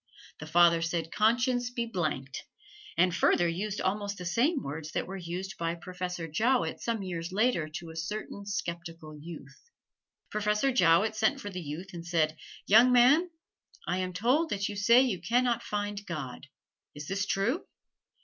The father said conscience be blanked: and further used almost the same words that were used by Professor Jowett some years later to a certain skeptical youth. Professor Jowett sent for the youth and said, "Young man, I am told that you say you can not find God. Is this true?"